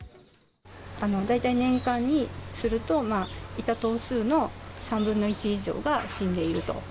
大体年間にすると、いた頭数の３分の１以上が死んでいると。